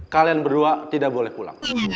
kalian berdua tidak boleh pulang